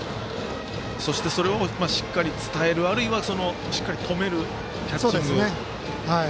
それをしっかり伝えるあるいは、しっかり止めるキャッチング。